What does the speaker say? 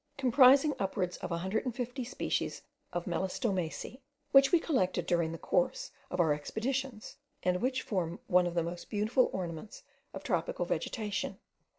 Comprising upwards of a hundred and fifty species of melastomaceae, which we collected during the course of our expeditions, and which form one of the most beautiful ornaments of tropical vegetation.